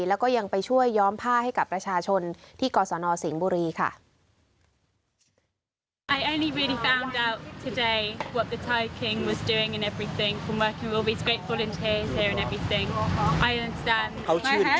แล้วก็ยังไปช่วยย้อมผ้าให้กับประชาชนที่กศนสิงห์บุรีค่ะ